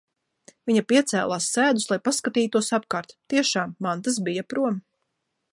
Viņa piecēlās sēdus, lai paskatītos apkārt. Tiešām, mantas bija prom.